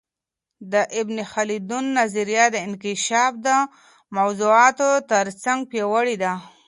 د ابن خلدون نظریه د انکشاف د موضوعاتو ترڅنګ پياوړې ده.